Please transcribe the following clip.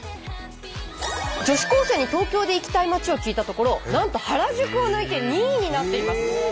女子高生に東京で行きたい街を聞いたところなんと原宿を抜いて２位になっています。